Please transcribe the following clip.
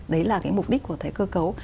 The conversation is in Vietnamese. đấy là cái mục đích của cái cơ cấu